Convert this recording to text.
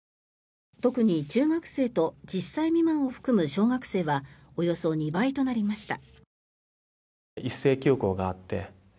特に中学生と１０歳未満を含む小学生はおよそ２倍となりました。